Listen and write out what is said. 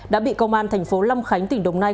đã bị công an thành phố lâm khánh tỉnh đồng nai